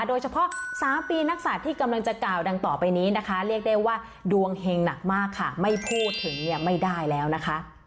โดยเฉพาะ๓ปีนักศัตริย์ที่กำลังจะกล่าวดังต่อไปนี้นะคะเรียกได้ว่าดวงเฮงหนักมากค่ะไม่พูดถึงเนี่ยไม่ได้แล้วนะคะ